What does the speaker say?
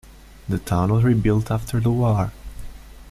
The town was rebuilt after the war.